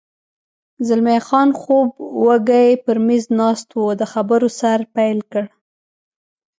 زلمی خان خوب وږی پر مېز ناست و، د خبرو سر پیل کړ.